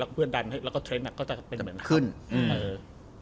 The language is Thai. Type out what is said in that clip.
แล้วก็เพื่อนดันแล้วก็เทรนด์ก็จะเป็นเหมือนครับ